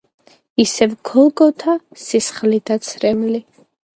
ისევ გოლგოთა სისხლი და ცრემლი.